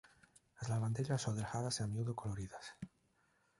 As lavandeiras son delgadas e a miúdo coloridas.